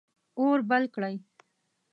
اور بل کړئ